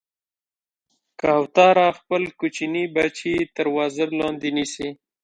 کوتره خپل کوچني بچي تر وزر لاندې نیسي.